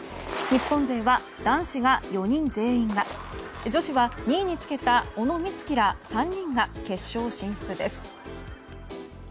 日本勢は男子が４人全員が女子は２位につけた小野光希ら３人が決勝進出です。